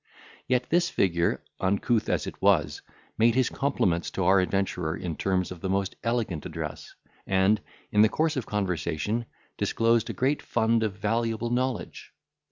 Yet this figure, uncouth as it was, made his compliments to our adventurer in terms of the most elegant address, and, in the course of conversation, disclosed a great fund of valuable knowledge.